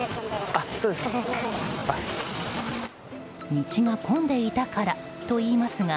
道が混んでいたからといいますが